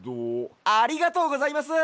ありがとうございます。